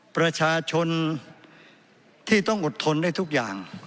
ประชาชนที่ต้องอดทนได้ทุกอย่าง